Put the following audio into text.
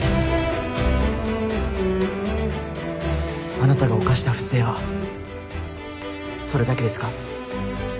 あなたが犯した不正はそれだけですか？